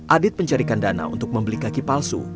adit mencarikan dana untuk membeli kaki palsu